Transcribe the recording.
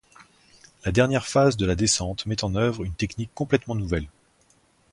La dernière phase de la descente met en œuvre une technique complètement nouvelle.